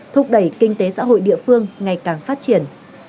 thúc đẩy kinh tế xã hội địa phương ngày càng phát triển